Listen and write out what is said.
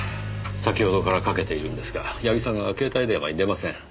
先ほどからかけているんですが矢木さんが携帯電話に出ません。